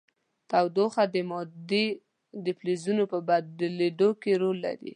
تودوخه د مادې د فازونو په بدلیدو کې رول لري.